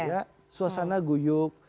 ya suasana guyuk